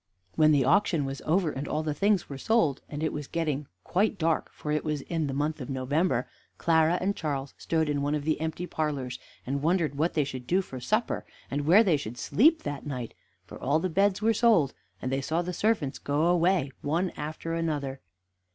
When the auction was over and all the things were sold, and it was getting quite dark (for it was in the month of November), Clara and Charles stood in one of the empty parlors, and wondered what they should do for supper, and where they should sleep that night; for all the beds were sold, and they saw the servants go away one after another.